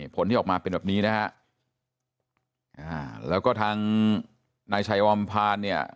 ผลที่ออกมาเป็นแบบนี้นะฮะอ่าแล้วก็ทางนายชัยวอมพานเนี่ย